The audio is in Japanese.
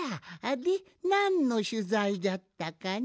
でなんのしゅざいじゃったかの？